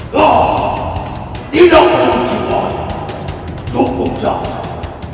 jasa dari putra putri si wangi yang bisa kamu tukang